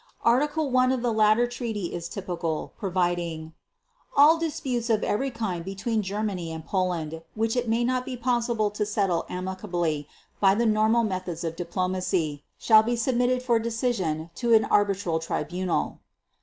Article I of the latter treaty is typical, providing: "All disputes of every kind between Germany and Poland ... which it may not be possible to settle amicably by the normal methods of diplomacy, shall be submitted for decision to an arbitral tribunal